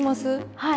はい。